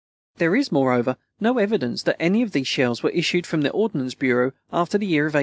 There is, moreover, no evidence that any of these shells were issued from the Ordnance Bureau after the year 1863.